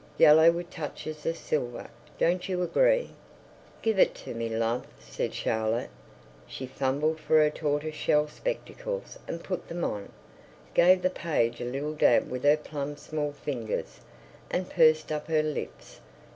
Yellow, with touches of silver. Don't you agree?" "Give it to me, love," said Charlotte. She fumbled for her tortoise shell spectacles and put them on, gave the page a little dab with her plump small fingers, and pursed up her lips.